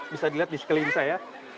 bisa dilihat di sekeliling saya